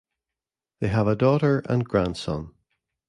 They have a daughter and grandson.